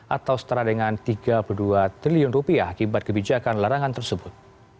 atau setara dengan tiga puluh dua triliun rupiah akibat kebijakan larangan tersebut